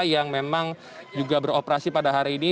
yang memang juga beroperasi pada hari ini